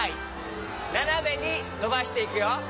ななめにのばしていくよ。